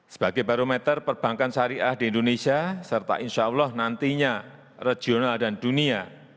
sebagai barometer perbankan syariah di indonesia serta insya allah nantinya regional dan dunia